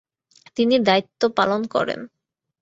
তিনি দায়ীত্ব পালন করেন।